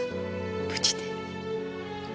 無事で。